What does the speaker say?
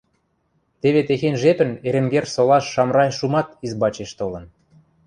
Теве техень жепӹн Эренгер солаш Шамрай Шумат избачеш толын.